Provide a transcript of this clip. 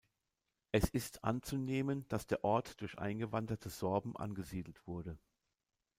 Es ist anzunehmen, dass der Ort durch eingewanderte Sorben angesiedelt wurde.